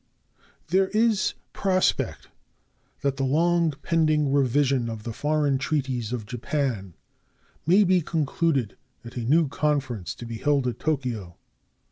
There is prospect that the long pending revision of the foreign treaties of Japan may be concluded at a new conference to be held at Tokyo.